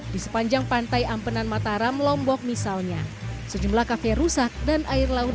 di sepanjang pantai ampenan mataram lombok misalnya sejumlah kafe rusak dan air laut